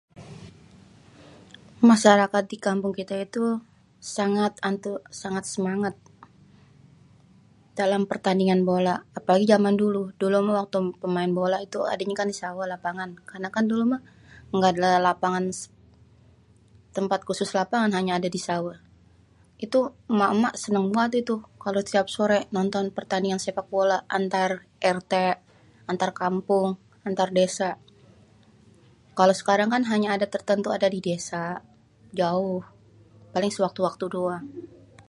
Masyarakat dikampung kita itu sangat semangat dalam pertandingan bola apalagi zaman dulu, dulu mèh pemain bola adènyè kan disawèh lapangan karena kan dulu mèh ga adè lapangan tempat khusus lapangan hanya adè di sawèh itu èmak-èmak seneng banget itu kalo tiap sore nonton pertandingan sepak bola antar RT, antar kampung, antar desa. kalo sekarang kan hanya ada tertentu ada di desa jauh paling sewaktu-waktu doang.